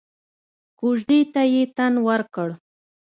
کوژدې ته يې تن ورکړ.